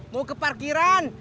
mau ke parkiran